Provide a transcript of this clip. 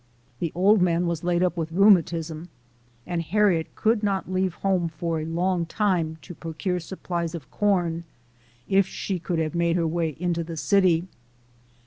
The old man was laid up with rheumatism, and Harriet could not leave home for a long time to procure supplies of corn, if t she could have made her way into the city.